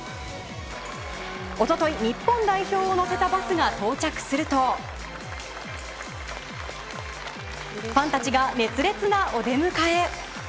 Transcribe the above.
一昨日、日本代表を乗せたバスが到着するとファンたちが熱烈なお出迎え。